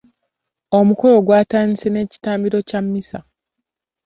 Omukolo gwatandise n'ekitambiro ky'emmisa.